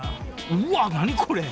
うわっ何これ！？